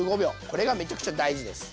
これがめちゃくちゃ大事です。